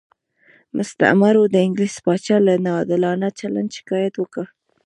مستعمرو د انګلیس پاچا له ناعادلانه چلند شکایت وکړ.